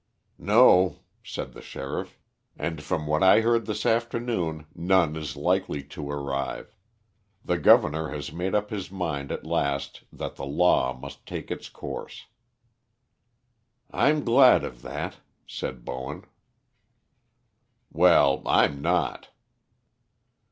"No," said the sheriff. "And from what I heard this afternoon none is likely to arrive. The governor has made up his mind at last that the law must take its course." "I'm glad of that," said Bowen. "Well, I'm not."